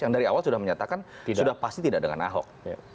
yang dari awal sudah menyatakan sudah pasti tidak dengan ahok